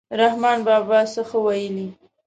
رحمان بابا څه ښه ویلي.